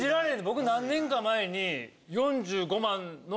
僕何年か前に。